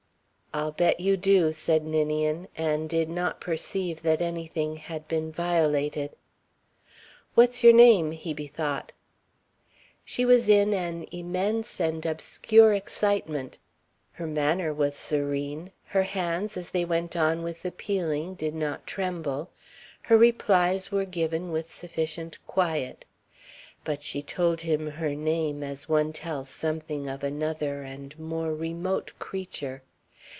"I'll bet you do," said Ninian, and did not perceive that anything had been violated. "What's your name?" he bethought. She was in an immense and obscure excitement. Her manner was serene, her hands as they went on with the peeling did not tremble; her replies were given with sufficient quiet. But she told him her name as one tells something of another and more remote creature.